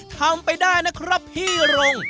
ทำไปได้นะครับพี่รง